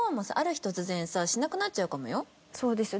そうですよね。